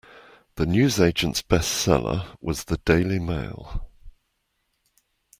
The newsagent’s best seller was The Daily Mail